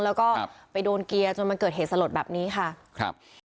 แล้วก็ไปโดนเกียร์จนมันเกิดเหตุสลดแบบนี้ค่ะครับ